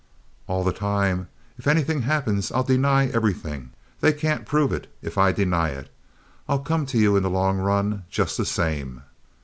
"All the time. If anything happens I'll deny everything. They can't prove it, if I deny it. I'll come to you in the long run, just the same."